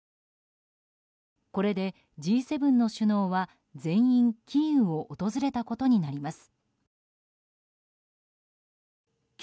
これでＧ７の首脳は全員キーウを訪れたことになります。